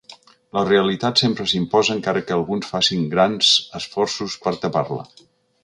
La realitat sempre s’imposa encara que alguns facin grans esforços per tapar-la.